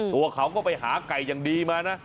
ตัวเขาก็ไปหาไก่อย่างดีมานะ